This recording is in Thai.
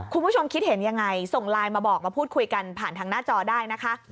คุณผู้ชมคิดเห็นยังไงส่งไลน์มาบอกมาพูดคุยกันผ่านทางหน้าจอได้นะคะ